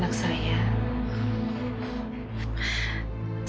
saya ingin memiliki anak yang kurang sempurna